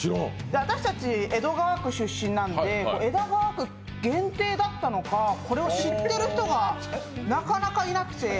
私たち江戸川区出身なので、江戸川区限定だったのか、これを知ってる人がなかなかいなくて。